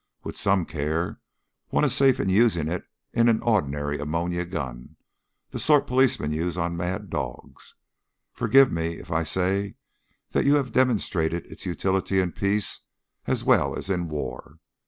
With some care one is safe in using it in an ordinary ammonia gun the sort policemen use on mad dogs. Forgive me, if I say that you have demonstrated its utility in peace as well as in war.